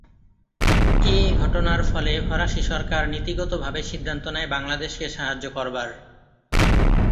এ ঘটনার ফলে ফরাসি সরকার নীতিগতভাবে সিদ্ধান্ত নেয় বাংলাদেশকে সাহায্য করবার।